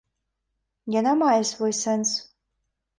Яна мае свой сэнс.